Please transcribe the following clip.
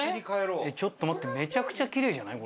ちょっと待ってめちゃくちゃキレイじゃない？